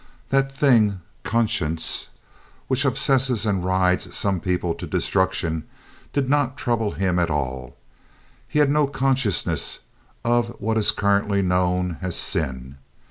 That thing conscience, which obsesses and rides some people to destruction, did not trouble him at all. He had no consciousness of what is currently known as sin.